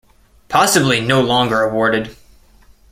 Possibly no longer awarded.